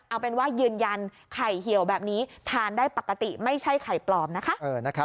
เอาเป็นว่ายืนยันไข่เหี่ยวแบบนี้ทานได้ปกติไม่ใช่ไข่ปลอมนะคะ